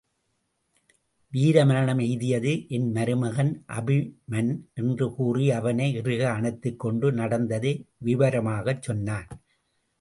வீரமரணம் எய்தியது என்மருமகன் அபிமன் என்று கூறி அவனை இறுக அணைத்துக் கொண்டு நடந்ததை விவரமாகச் சொன்னான்.